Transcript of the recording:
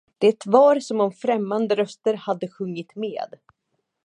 Det var som om främmande röster hade sjungit med.